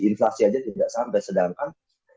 inflasi aja tidak sampai sedangkan